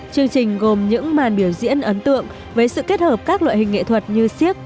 chương trình gồm những màn biểu diễn ấn tượng với sự kết hợp các loại hình nghệ thuật như siếc